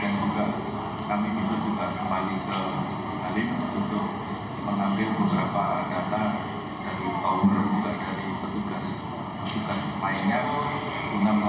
dan juga kami bisa juga kembali ke halim untuk mengambil beberapa data dari tower juga dari petugas petugas lainnya